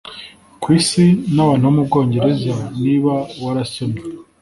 ku isi n'abantu bo mu bwongereza. niba warasomye